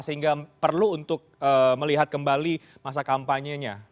sehingga perlu untuk melihat kembali masa kampanyenya